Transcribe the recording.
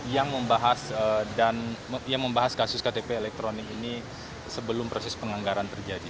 yang membahas kasus ktp elektronik ini sebelum proses penganggaran terjadi